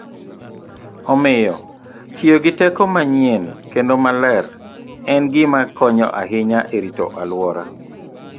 Omiyo, tiyo gi teko manyien kendo maler en gima konyo ahinya e rito alwora.